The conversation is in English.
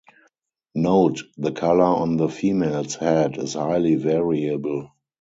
Note the colour on the females head is highly variable.